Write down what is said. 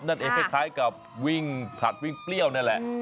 คล้ายกับวิ่งผัดวิ่งเปรี้ยวนั่นแหละ